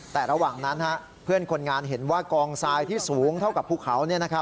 แต่ระหว่างนั้นเพื่อนคนงานเห็นว่ากองทรายที่สูงเท่ากับภูเขา